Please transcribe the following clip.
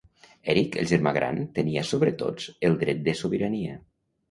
Eric, el germà gran, tenia, sobre tots, el dret de sobirania.